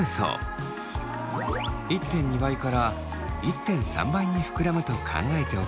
１．２倍から１．３倍に膨らむと考えておくとよいといいます。